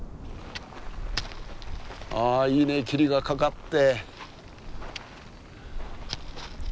あいいね霧がかかって。